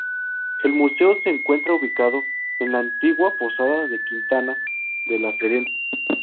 El museo se encuentra ubicado en la antigua posada de Quintana de la Serena.